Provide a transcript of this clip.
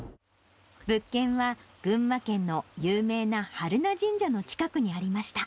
物件は、群馬県の有名な榛名神社の近くにありました。